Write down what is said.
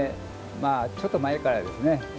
ちょっと前からですね